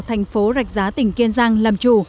thành phố rạch giá tỉnh kiên giang làm chủ